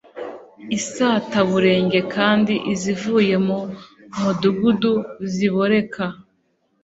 isataburenge kandi izivuye mu mudugudu ziboreka